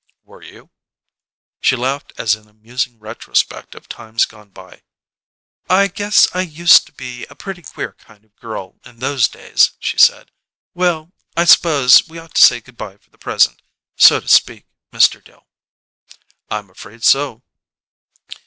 "Were you?" She laughed as in a musing retrospect of times gone by. "I guess I used to be a pretty queer kind of a girl in those days," she said. "Well I s'pose we ought to say good bye for the present, so to speak, Mr. Dill." "I'm afraid so."